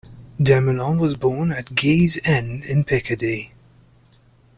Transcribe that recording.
Desmoulins was born at Guise, Aisne, in Picardy.